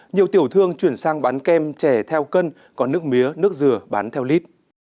nhiều tiểu thương chuyển sang bán kem chè theo cân còn nước mía nước dừa bán theo lít